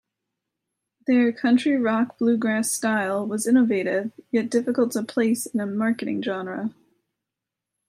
Their country-rock-bluegrass style was innovative yet difficult to place in a marketing genre.